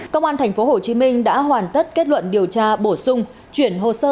công an thành phố hồ chí minh đã hoàn tất kết luận điều tra bổ sung chuyển hồ sơ